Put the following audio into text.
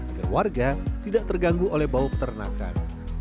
agar warga tidak terganggu oleh bau peternakan